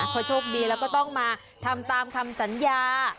พอโชคดีแล้วก็ต้องมาทำตามคำสัญญา